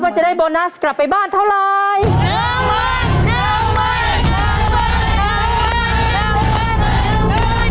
จะได้โบนัสกลับไปบ้านเท่าไร